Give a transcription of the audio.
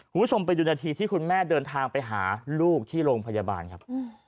คุณผู้ชมไปดูนาทีที่คุณแม่เดินทางไปหาลูกที่โรงพยาบาลครับ